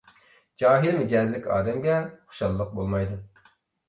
جاھىل مىجەزلىك ئادەمگە خۇشاللىق بولمايدۇ.